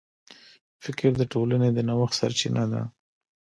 فکر د ټولنې د نوښت سرچینه ده.